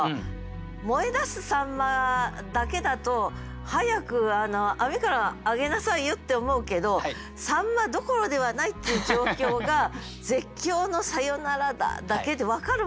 「燃え出すサンマ」だけだと「早く網から上げなさいよ」って思うけどサンマどころではないっていう状況が「絶叫のサヨナラ打」だけで分かるわけでしょ？